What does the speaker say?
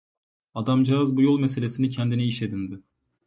Adamcağız bu yol meselesini kendine iş edindi.